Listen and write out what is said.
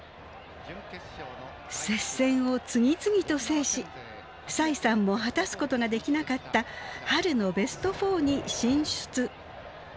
接戦を次々と制し栽さんも果たすことができなかった春のベスト４に進出。